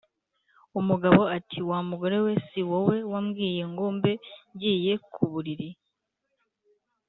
umugabo ati: "Wa mugore we si wowe wambwiye ngo mbe ngiye ku buriri,